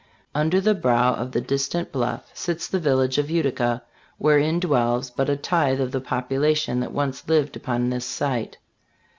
Under the brow of the distant bluff sits the Tillage of Utica, wherein dwells but a tithe of the population that once lived upon this site.